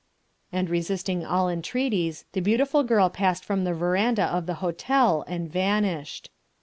And resisting all entreaties the beautiful girl passed from the verandah of the hotel and vanished.